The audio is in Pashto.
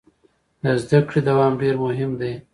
د زده کړې دوام ډیر مهم دی.